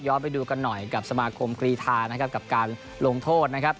ไปดูกันหน่อยกับสมาคมกรีธานะครับกับการลงโทษนะครับ